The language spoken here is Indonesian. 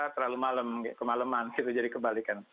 terlalu malem kemaleman jadi kebalikan